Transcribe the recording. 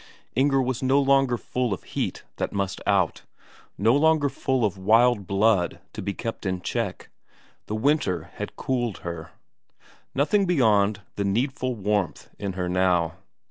Inger was no longer full of heat that must out, no longer full of wild blood to be kept in check, the winter had cooled her; nothing beyond the needful warmth in her now.